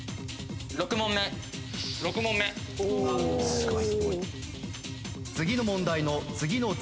すごい。